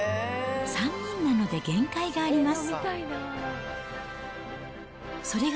３人なので限界があります。